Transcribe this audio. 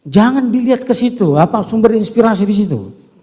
jangan dilihat ke situ apa sumber inspirasi di situ